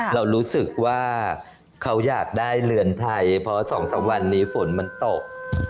เรารู้สึกว่าเขาอยากได้เรือนไทยเพราะ๒๓วันนี้ฝนมันตก